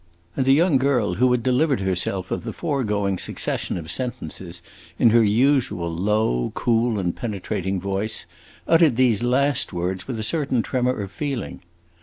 And the young girl, who had delivered herself of the foregoing succession of sentences in her usual low, cool, penetrating voice, uttered these last words with a certain tremor of feeling.